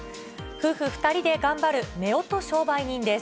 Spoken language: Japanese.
夫婦２人で頑張るめおと商売人です。